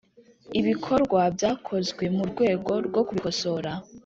Ibikorwa byakozwe mu rwego rwo kubikosora